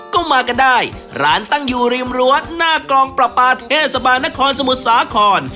ก็มากันได้ร้านตั้งอยู่ริมรั้วหน้ากองประปาเทศบาลนครสมุทรสาคร